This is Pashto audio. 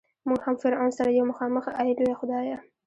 مونږ هم فرعون سره یو مخامخ ای لویه خدایه.